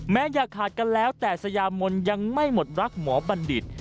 อย่าขาดกันแล้วแต่สยามนยังไม่หมดรักหมอบัณฑิต